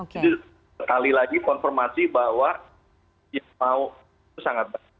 jadi sekali lagi konfirmasi bahwa ya mau itu sangat baik